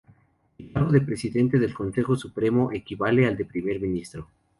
El cargo de Presidente del Consejo Supremo equivale al de Primer Ministro.